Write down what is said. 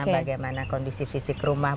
bagaimana kondisi fisik rumah